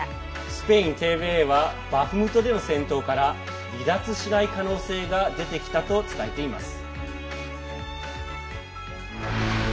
スペインＴＶＥはバフムトでの戦闘から離脱しない可能性が出てきたと伝えています。